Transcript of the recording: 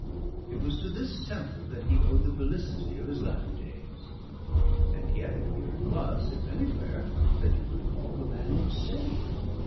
It was to this temper that he owed the felicity of his later days; and yet here it was, if anywhere, that you could call the man insane.